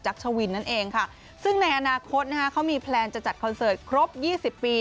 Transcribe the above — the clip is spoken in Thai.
จักรชวินนั่นเองค่ะซึ่งในอนาคตนะคะเขามีแพลนจะจัดคอนเสิร์ตครบยี่สิบปี